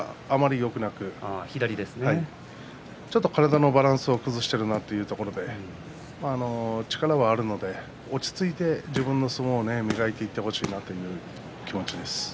ちょっと体のバランスを崩しているなというところで力はあるので落ち着いて自分の相撲を磨いていってほしいなという気持ちです。